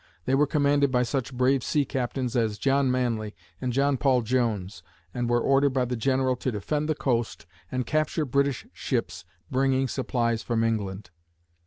They were commanded by such brave sea captains as John Manly and John Paul Jones and were ordered by the General to defend the coast and capture British ships bringing supplies from England.